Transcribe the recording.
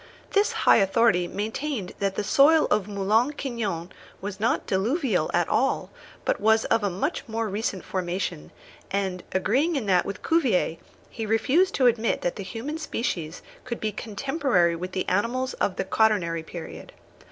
This high authority maintained that the soil of Moulin Quignon was not diluvial at all, but was of much more recent formation; and, agreeing in that with Cuvier, he refused to admit that the human species could be contemporary with the animals of the quaternary period.